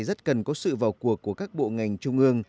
rất cần có sự vào cuộc của các bộ ngành trung ương